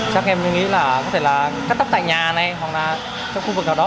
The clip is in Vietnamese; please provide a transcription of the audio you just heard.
chắc em nghĩ là có thể là cắt tóc tại nhà này hoặc là trong khu vực nào đó